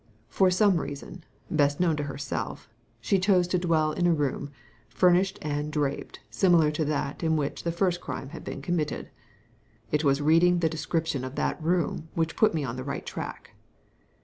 For some reason — best known to herself— she chose to dwell in a room, furnished aAd draped similar to that in which the first crime had been committed. It was reading the description of that room which put me on the right track.